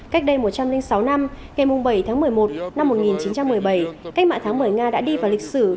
cách đây một trăm linh sáu năm ngày bảy tháng một mươi một năm một nghìn chín trăm một mươi bảy cách mạng tháng một mươi nga đã đi vào lịch sử